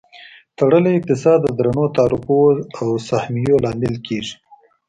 تړلی اقتصاد د درنو تعرفو او سهمیو لامل کیږي.